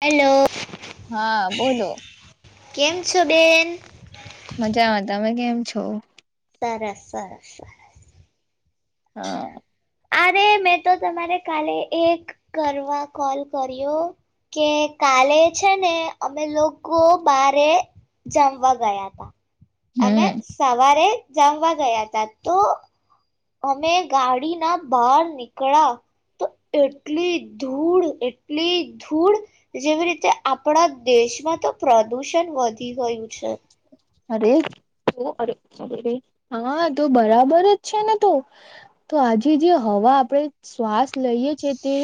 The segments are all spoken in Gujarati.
હલો હા, બોલો. કેમ છો બેન?. મજા આવે, તમે કેમ છો? સરસ સરસ સરસ. હ. અરે, મેં તો તમારે કાલે એક કરવા કોલ કર્યો કે કાલે છે ને, અમે લોકો બારે જમવા ગયા તા. અને હમ સવારે જામવા ગયા ત તો? અમે ગાડીના બહાર નીકળ્યા તો એટલી ધૂળ, એટલી ધૂળ જેવી રીતે આપણા દેશમાં તો પ્રદુષણ વધી ગયું છે. અરેરે હા તો બરાબર જ છે ને તો, તો આજે જે હવા આપણેે શ્વાસ લઈએ છે તે.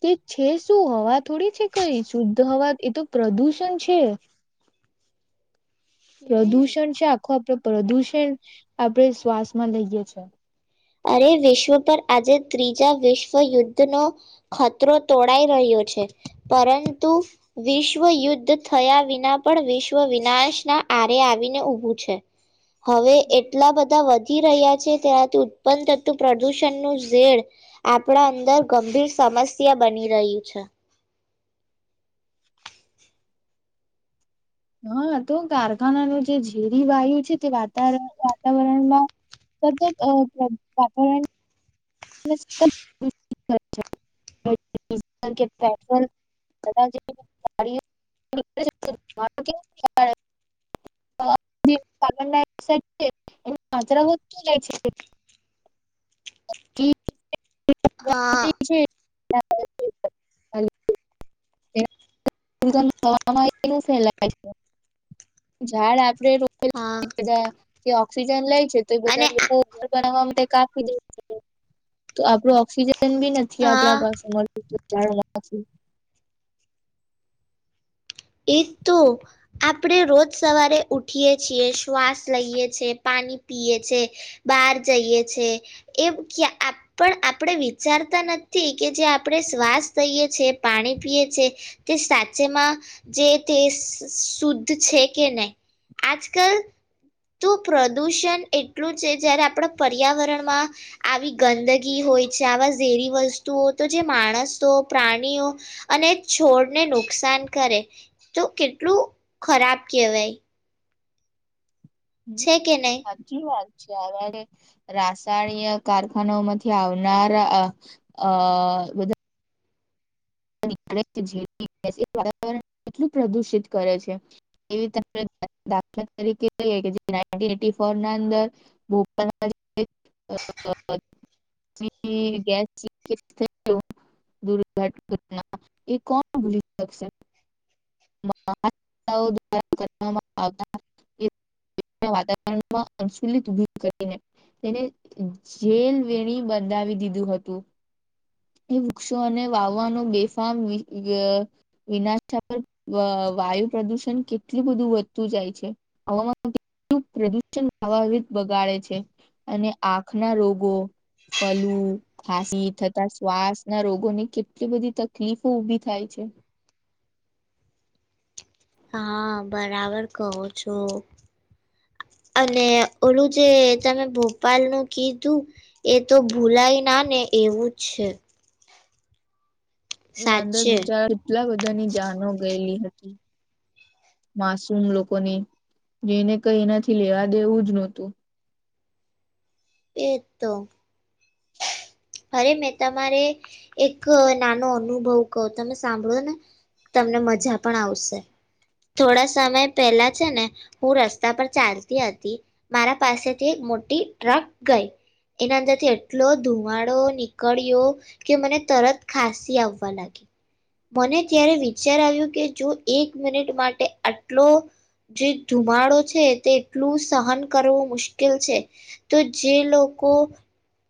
કે છે શું? હવા થોડી છે કઈ શુદ્ધ હવા એ તો પ્રદૂષણ છે. હમ પ્રદુષણ છે આખો આપડ પ્રદૂષણ આપણેે શ્વાસમાં લઈએ છે. અરે વિશ્વ પર આજે ત્રીજા વિશ્વયુદ્ધનો ખતરો તોળાઈ રહ્યો છે. પરંતુ વિશ્વયુદ્ધ થયા વિના પણ વિશ્વ વિનાશના આરે આવીને ઊભું છે. હવે એટલા બધા વધ વધી રહ્યા છે તેનાથી પણંતું પ્રદૂષણનુંું ઝેડ આપણા અંદર ગંભીર સમસ્યા બની રહ્યું છે. હા, તો કારખાનાનું જે ઝીરી વાયુ છે. તે વાતાવરણ વાતાવરણમાં સતત વાતાવરણ? કે પેટ્રોલાય છે [unintelligible] તે હા. છે ફ છે ઝાડ આપ [unintelligible] કે હા [unintelligible] સ્રીજલ લાઈટ. છે તો એ અને બધા લોકોર બના. [unintelligible] કાપી દે તો આપડો ઓક્સિજન ઉન ભી નથી આ હા આપણા પાસે મળતું. જાણવા રાું? એજ તો, આપણે રોજ સવારે ઉઠીએ છીએ શ્વાસ લઈએ છેએ પાણી પીએ છે બહાર જઈએ છે એ ક પણ આપણે વિચારતા નથી કે જે આપણે શ્વાસ લઈએ છેએ પાણી પીએ છેએ તે સાચેમાં જે તે શુદ્ધ છે કે નહીં. આજકાલ તો પ્રદૂષણ એટલું છે જ્યારે આપણા પર્યાવરણમાં આવી ગંદગી હોય છે આવા ઝેરી વસ્તુઓ તો જે માણસો પ્રાણીઓ અને છોડને નુકસાન કરે. તો કેટલું ખરાબ કેહેવાય. હમ નહી સાચી વાત. રાસાયણિક કારખાનામાંથી આવનાર અ બધા? [unintelligible] વાવરણ કેટલું પ્રદુષિત કરે છે? એ દાખલા તરીકે? [unintelligible] ણ કરીને તેને જેલ વેણી બનાાવી દીધુંપભ [inaudible] હતું એ વૃક્ષો અને વાવ હ વિનાશ વાયુ પ્રદુષણ કેટલું બધું વધતું જાય છે. હવામા પ્રદુષણ બગાડે છે અને આંખ ના રોગો ફલુ, ખાસી થતા શ્વાસ ના રોગોને એટલી બધી તકલીફો ઊભી થાય છે. હા, બરાબર કહો છો. અને ઓલું જે તમે ભોપાલનું કીધું, એ તો ભૂલાય ના ને એવું જ છે. એના અંદર સાચે બિચારા એટલા બધાની જાનો ગયેલી હે. માસૂમ લોકોની, જેને કઈ એનાથી લેવા દેવું જ નહતું. એજ તો. અરે મેં તમારે એક નાનો અનુભવ કહો, તમે સાંભળો ને, તમને મજા પણ આવશે. થોડા સમય પહેલા છે ને હું રસ્તા પર ચાલતી હતી, મારા પાસેથી એક મોટી ટ્રક ગઈ. એના અંદરથી એટલો ધુવાડો નીકળ્યો, કે મને તરત ખાંસી આવવા લાગી. મને ત્યારે વિચાર આવ્યો કે જો એક મિનિટ માટે આટલો જે ધુમાડો છે તે એટલું સહન કરવું મુશ્કેલ છે, તો જે લોકો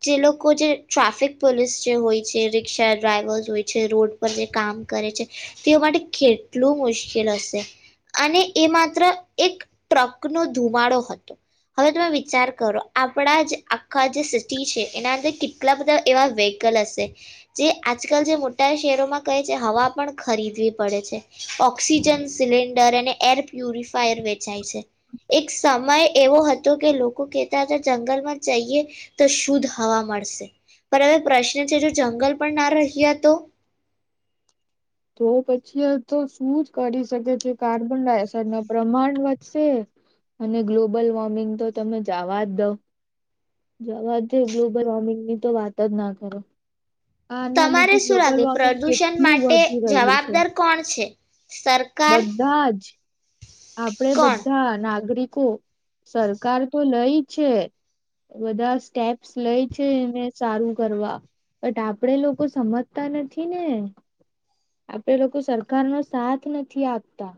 જે લોકો જે ટ્રાફિક પોલીસ જે હોય છે, રિક્ષા ડ્રાઈવર્સ હોય છે, રોડ પર જે કામ કરે છે, તે માટે કેટલું મુશ્કેલ હશે. અને એ માત્ર એક ટ્રકનો ધુવાડો હતો, હવે તમે વિચાર કરો આપણા જે આખા જે સિટી છે એના તે કેટલા બધા એવા વેહકલ હશે જે આજકાલ જે મોટા શહેરોમાં કહે છે, હવા પણ ખરીદવી પડે છે, ઓક્સિજન, સિલિન્ડર અને એર પ્યુરિફાયર વેચાય છે. એક સમય એવો હતો કે લોકો કહેતા હતા જંગ હવા મળશે. પણ હવે પ્રશ્ન છે જો જંગલ પણ ના રહ્યા તો? તો પછી આ તો શું જ કરી શકે છે. કાર્બન ડાયોક્સાઇડ ના પ્રમાણ વધશે, અને ગ્લોબલ વોર્મિંગ તો તમે જાવા જ દો, જવા જ દે ગ્લોબલ વોર્મિંગની તો વાત જ ના કરો. આના લીધે તમારે શું ગ્લોબલ લાગે વોર્મિંગ પ્રદૂષણ કેટલું માટે વધી રહ્યું છે. જવાબદાર કોણ છે સરકાર બધા જ આપણેે કોણ બધા નાગરિક શું, સરકાર તો લઈ છે, બધા સ્ટેપ્સ લઈ છે એને સારું કરવા. બટ આપડે લોકો સમજતા નથી ને. આપડે લોકો સરકારનો સાથ નથી આપતા.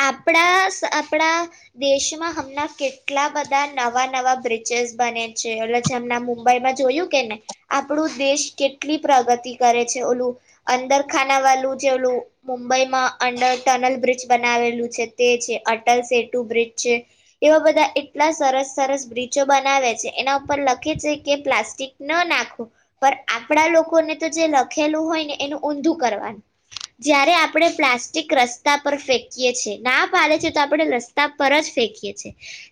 આપણા સ આપણા દેશમાં હમણાં કેટલા બધા નવા-નવા બ્રિજીસ બને છે, [unintelligible] મુંબઈમાં જોયું કે ને આપણું દેશ કેટલી પ્રગતિ કરે છે, ઓલું અંદરખાના વાલું જે ઓલું મુંબઈમાં અંડર ટનલ બ્રિજ બન નાવેલું છે તે છે, અટલ સેટુ બ્રિજ છે, એવા બધા એટલા સરસ-સરસ બ્રિજો બનાવે છે. એના ઉપર લખે છે કે પ્લાસ્ટિક ન નાખો, પણ આપણા લોકોને તો જે લખેલું હોય ને એનું ઊંધું કરવાનું. જયારે આપણે પ્લાસ્ટિક રસ્તા પર ફે ફેંકીએ છે, ના પાડે છે તો આપણે રસ્તા પર જ ફેંકીએ છે.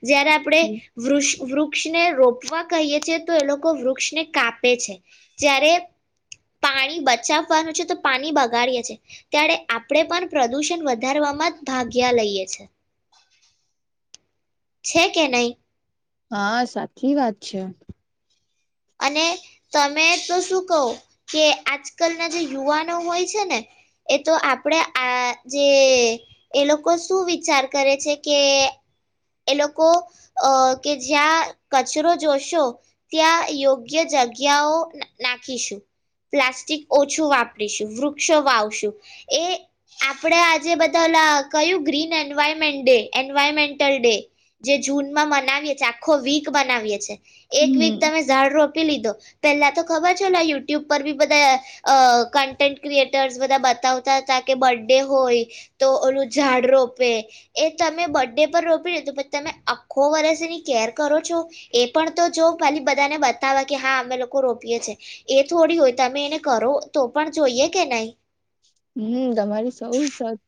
જયારે આપણે હમ. વૃસ વૃક્ષને રો પવા કહીએ છે તો એ લોકો વૃક્ષને કાપે છે. જ્યારે પાણી બચાવવાનું છે, તો પાણી બગાડીએે છે. ત્યારે આપણે પણ પ્રદુષણ વધારવામાં ભાગ્યા લઈએ છે. છે કે નહી? હા સાચી વાત છે. અને તમે તો શું કહો કે આજકાલના જે યુવાનો હોય છે ને એ તો આપણે આ જે એ લોકો શું વિચાર કરે છે કે એ લોકો અહ કે જ્યાં કચરો જોશો ત્યાં યોગ્ય જગ્યાઓ ના નાખીશું, પ્લાસ્ટિક ઓછું વાપરીશું, વૃક્ષો વાવશું. એ આપણે આજે બધા ઓલા કયું green environment day, environment day, જે જૂનમાં મનાવીએ છે, આખો વીક મનાવીએ છે. એક વીક હમ તમે ઝાડ રો પી લીધો, પેલા તો ખબર છે ને યુટ્યુબ પર બી બધા અહ કન્ટેન્ટ ક્રિએટર્સ બધા બતાવતા હતા કે બર્થડે હોય તો ઓલું ઝાડ રોપે, એ તમે બ ડે પર રોપી લીધું, પછ તમે આખો વર્ષ એની કેર કરો છો? એ પણ તો જો. ખાલી બધાને બતાવે કે હા અમે લોકો રોપીએ છે. એ થોડી હોય તમે એને કરો તો પણ જોઈએ કે નહી. હમ્મ, તમારી સૌ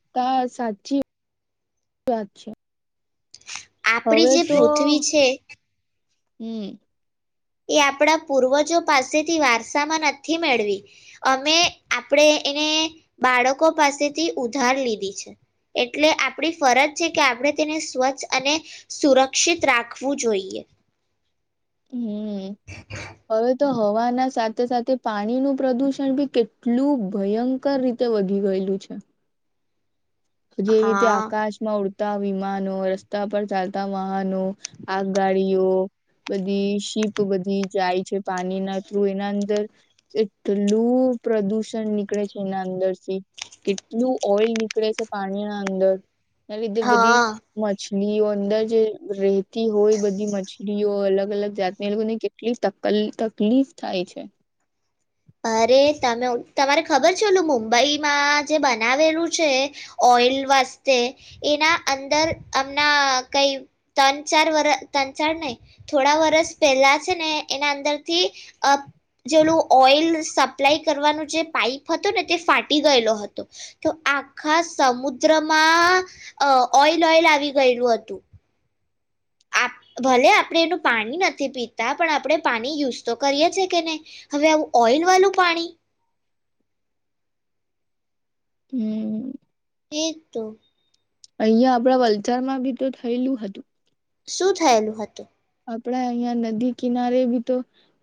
સતા સાચી વાત છે. આપડી હવે જે પૃથ્વી છે હમ્મ. એ આપણા પૂર્વજો પાસેથી વારસામાં નથી મેળવી. અમે આપણે એને બાળકો પાસેથી ઉધાર લીધી છે. એટલે આપણી ફરજ છે કે આપણે તેને સ્વચ્છ અને સુરક્ષિત રાખવું જોઈએ. હમ્મ. હવે તો હવાના સાથે-સાથે પાણીનું પ્રદુષણ બી કેટલું ભયંકર રીતે વધી ગયેલું છે. જેવી રીતે હા આકાશમાં ઉડ તા વિમાનો, રસ્તા પર ચાલતા વાહનો, આગગાડીઓ, બધી શીપ બધી જાય છે પાણી ના થ્રુ, એના અંદર એટલું પ્રદુષણ નીકળે છે એના અંદરથી, કેટલું ઓઈલ નીકળે છે પાણીના અંદર એના લીધે બધી હા મછ લીઓ અંદર જે રહેતી હોય બધી મછલીઓ અલગ-અલગ જાતની એ લોકોને કેટલી તક તકલીફ થાય છે. અરે તમે તમારે ખબર છે ઓલું મુંબઈમાં જે બનાવેલું છે ઓઈલ વાસ્તે, એના અંદર હમણાં કઈ ત્રણ ચાર વરહ, ત્રણ ચાર નહીં, થોડા વરસ પહેલાં છે ને એના અંદરથી અહ જે ઓલું ઓઈલ લ સપ્લાય કરવાનું જે પાઈપ હતું ને તે ફાટી ગયેલો હતો, તો આખા સમુદ્રમાં અહ ઓઇલ-ઓઈલ આવી ગયેલું હતું. આપ ભલે આપણે એનું પાણી નથી પીતા પણ આપણે પાણી યુઝ તો કરીએ છે કે નહી, હવે આવું ઓઈલ વાલું પાણી. હમ્મ. એ જ તો. અહિયાં આપડા વલસાડમાં બી તો થયેલું હતું. શું થયેલું હતું? આપડા અહિયાં નદી કિનારે બી તો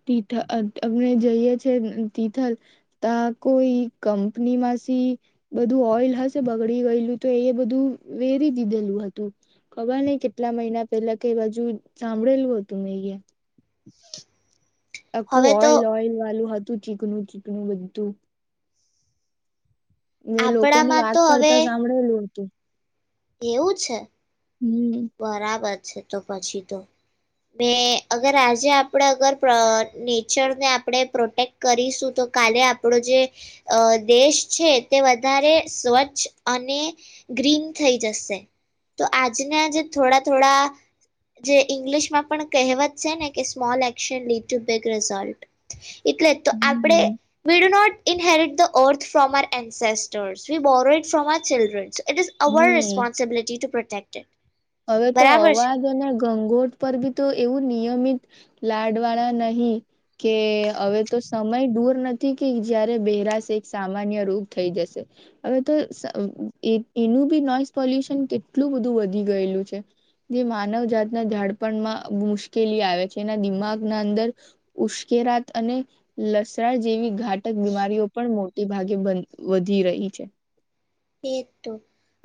તીથ અહ આપણે જઈએ છે તિથલ, તા કોઈ કંપનીમાંસી બધું ઓઈલ હશે બગડી ગયેલું, તો એ બધું વેરી દીધેલું હતું. ખબર નહી કેટલા મહિના પેલા કે એ બાજુ સાંભળેલ હતું મે ઈએ. આખું હવે તો ઓઈલ-ઓઈલ વાલું હતું. ચીકણું-ચીકણું બધું. મે લોકો ને આપણામાં વાત તો હવે કરતા સાંભળેલું હતું. એવું છે. હમ બરાબર. છે તો પછી તો. મેં અગર આજે આપણે અગર પ્ર નેચરને આપણે પ્રોટેક્ટ કરીશું, તો કાલે આપણો જે અહ દેશ છે તે વધારે સ્વચ્છ અને ગ્રીન થઈ જશે. તો આજના જે થોડા-થોડા જે ઈંગ્લિશમાં પણ કહેવત છે ને કે small action lead to big result. એટલે તો આપણેે હમ vid not inherit the earth from our ancestors, we borrow it from our children's. It is our hmm responsibility to protect them. હવે તો અવાદો અને ઘંગોટ પર બી તો એવું નિ યમિત લાડ વાળા નહીં, કે હવે તો સમય દૂર નથી કે જયારે બહેરાશ એક સામાન્ય રોગ થઈ જશે. હવે તો સ એક એનું બી નોઈસ પોલ્યુશન કેટલું બધું વધ વધી ગયેલું છે. જે માનવજાતના જાડપણમાં મુશ્કેલી આવે છે, એના દિમાગના અંદર ઉશ્કેરાત અને લસણ જેવી ઘાતક બીમારીઓ પણ મોટી ભાગે વન વધી રહી છે. એ જ તો.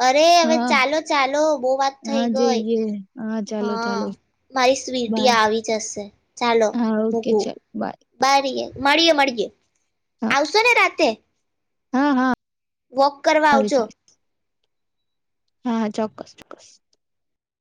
અરે હવે હા ચાલો-ચાલો બહું વાત થઈ હા ગઈ. જઈએ ચાલો હા. ચાલો મારી સ સ્વીટી બાય આવી જશ શે. ચાલો હા ઓકે મૂકું. ચાલ બાય રિયા. મળીએે-મળીએ. હા આવશો ને રાતે? હા, હા. વોક કરવા આવી આવજો. સારી હા, ચોક્કસ-ચોક્કસ.